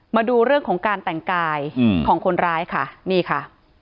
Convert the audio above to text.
มาดูเรื่องของการแต่งกายของคนร้ายค่ะนี่ค่ะ